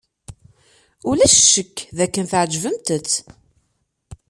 Ulac ccekk dakken tɛejbemt-t.